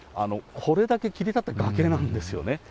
これだけ切り立った崖なんですよね。